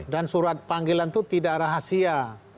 dan surat panggilan itu tidak rahasia